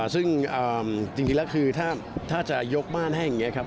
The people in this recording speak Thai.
ซึ่งจริงแล้วคือถ้าจะยกบ้านให้อย่างนี้ครับ